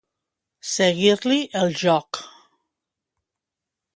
Seguir-li el joc.